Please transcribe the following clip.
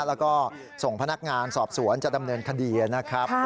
แล้วก็ส่งพนักงานสอบสวนจะดำเนินคดีนะครับ